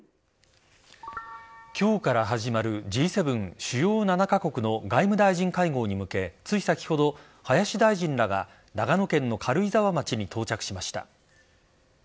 今日から始まるＧ７＝主要７カ国の外務大臣会合に向けつい先ほど、林大臣らが長野県の軽井沢町に到着しました。